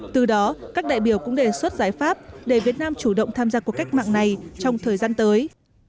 từ đó các đại biểu cũng đề xuất giải pháp để việt nam chủ động tham gia cuộc cách mạng này trong thời gian tới